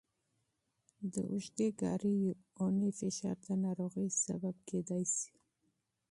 د اوږدې کاري اونۍ فشار د ناروغۍ سبب کېدای شي.